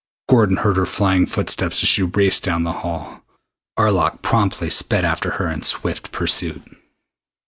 Gordon heard her flying footsteps as she raced down the hall. Arlok promptly sped after her in swift pursuit.